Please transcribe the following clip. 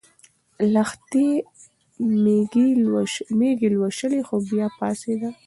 لښتې مېږې لوشلې خو بیا پاڅېده.